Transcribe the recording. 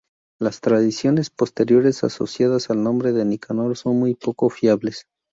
Las tradiciones posteriores asociadas al nombre de Nicanor son muy poco fiables.